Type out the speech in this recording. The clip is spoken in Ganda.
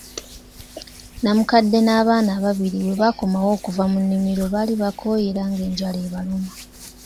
Namukkadde n'abaana ababiri we bakomawo okuva mu nnimiro baali bakooye era ng'enjala ebaluma.